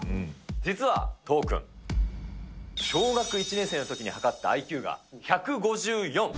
実は都央君、小学１年生のときに測ったＩＱが１５４。